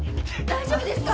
大丈夫ですか？